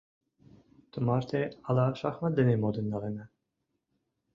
Тумарте ала шахмат дене модын налына?